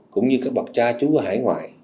cũng như các bậc cha chú ở hải ngoại